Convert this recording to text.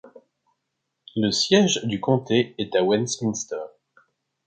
Le siège du comté est à Westminster.